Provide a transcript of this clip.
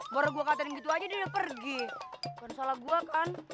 baru gue katain gitu aja dia udah pergi bukan salah gue kan